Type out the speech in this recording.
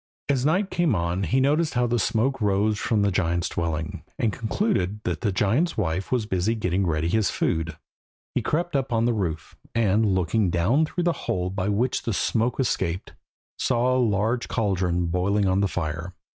As night came on he noticed how the smoke rose from the giant's dwelling, and concluded that the giant's wife was busy getting ready his food. He crept up on to the roof, and, looking down through the hole by which the smoke escaped, saw a large caldron boiling on the fire.